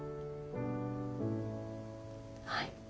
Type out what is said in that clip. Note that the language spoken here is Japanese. はい。